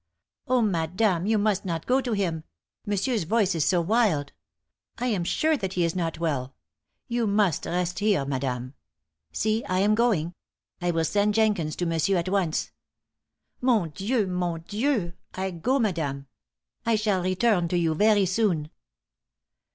"Oh, madame, you must not go to him! Monsieur's voice is so wild! I am sure that he is not well. You must rest here, madame! See, I am going. I will send Jenkins to monsieur at once. Mon Dieu! Mon Dieu! I go, madame! I shall return to you very soon."